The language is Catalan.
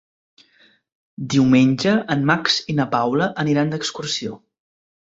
Diumenge en Max i na Paula aniran d'excursió.